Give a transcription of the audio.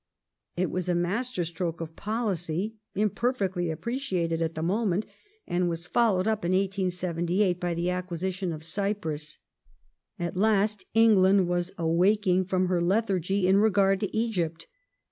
It was a master stroke of policy, imperfectly appreciated at the moment, and was followed up in 1878 by the acquisition of Cyprus. At last Eng land was awaking from her lethargy in regard to Egypt.